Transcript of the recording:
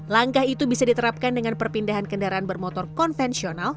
langkah itu bisa diterapkan dengan perpindahan kendaraan bermotor konvensional